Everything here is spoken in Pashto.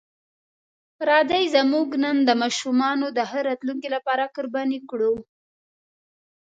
راځئ زموږ نن د ماشومانو د ښه راتلونکي لپاره قرباني کړو.